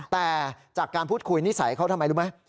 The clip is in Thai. แต่จากการพูดคุยนิสัยเขาทำไมรู้ไหม